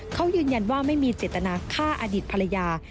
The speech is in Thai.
เขายืนยันว่าไม่มีเจตนาฆ่าอดีตภรรยา